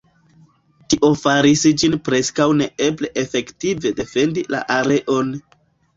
Tio faris ĝin preskaŭ neeble efektive defendi la areon.